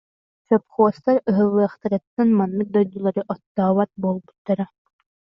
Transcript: Сопхуос- тар ыһыллыахтарыттан маннык дойдулары оттообот буолбуттара